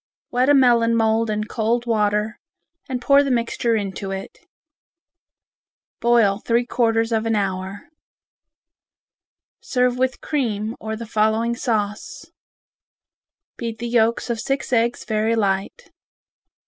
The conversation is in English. Wet a melon mould in cold water and pour the mixture into it. Boil three quarters of an hour. Serve with cream, or the following sauce: Beat the yolks of six eggs very light.